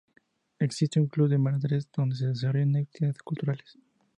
Existe un Club de Madres donde se desarrollan actividades culturales.